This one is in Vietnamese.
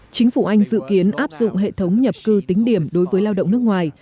chính phủ anh dự kiến áp dụng hệ thống nhập cư tính điểm đối với lao động nước ngoài